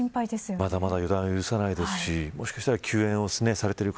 まだまだ予断を許さないですしもしかしたら救援されてる方